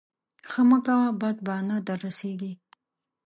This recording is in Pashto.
ښه مه کوه بد به نه در رسېږي.